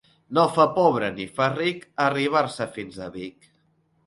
No fa pobre ni fa ric arribar-se fins a Vic.